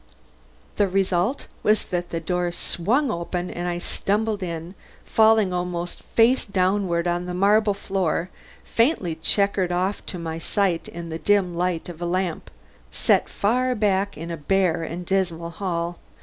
The result was that the door swung open and I stumbled in, falling almost face downward on the marble floor faintly checkered off to my sight in the dim light of a lamp set far back in a bare and dismal hall.